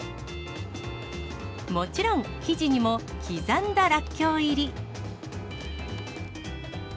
もちろん生地にも刻んだらっきょう入り。